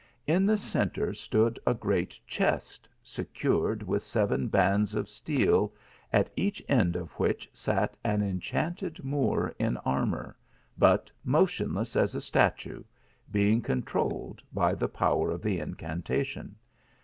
In the centre stood a great chest, secured with seven bands of steel, at each end of which sat an enchanted Moor in armour, but motionless as a statue, being controlled by the power of the incantation.